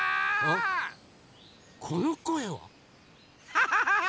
ハハハハ！